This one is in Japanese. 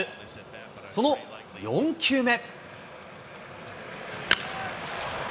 その４球目。